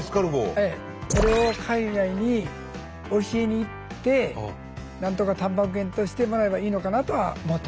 これを海外に教えに行ってなんとかたんぱく源としてもらえばいいのかなとは思ってます。